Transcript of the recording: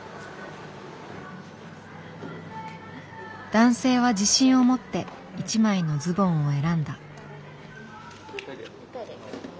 男性は自信を持って一枚のズボンを選んだ。